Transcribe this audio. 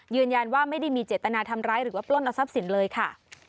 ยืนยันว่าไม่ได้มีเจตนาทำร้ายหรือว่าปล้นเอาทรัพย์สินเลยค่ะ